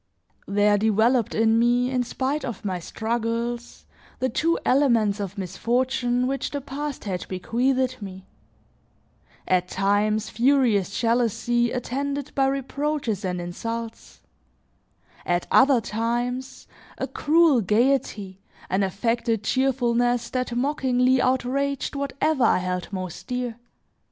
There developed in me, in spite of my struggles, the two elements of misfortune which the past had bequeathed me: at times, furious jealousy attended by reproaches and insults; at other times, a cruel gaiety, an affected cheerfulness that mockingly outraged whatever I held most dear.